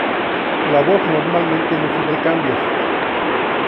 La voz normalmente no sufre cambios.